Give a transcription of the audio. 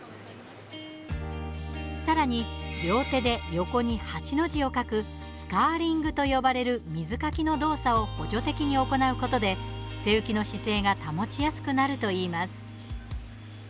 さらに両手で横に８の字をかくスカーリングと呼ばれる水かきの動作を補助的に行うことで背浮きの姿勢が保ちやすくなるといいます。